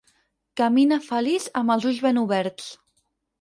Camina feliç amb els ulls ben oberts.